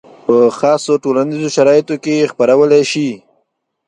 په خاصو ټولنیزو شرایطو کې یې خپرولی شي.